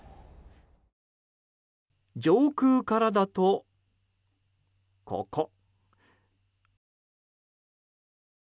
上空からだと、ここ。